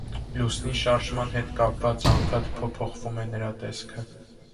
Լուսնի շարժման հետ կապված անընդհատ փոփոխվում է նրա տեսքը։